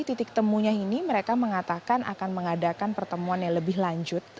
titik temunya ini mereka mengatakan akan mengadakan pertemuan yang lebih lanjut